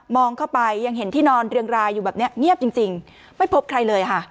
องเข้าไปยังเห็นที่นอนเรียงรายอยู่แบบเนี้ยเงียบจริงไม่พบใครเลยค่ะ